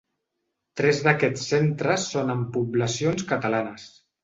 Tres d’aquests centres són en poblacions catalanes.